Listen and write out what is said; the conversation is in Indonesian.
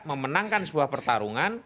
memenangkan sebuah pertarungan